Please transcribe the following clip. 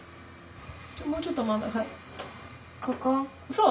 そう！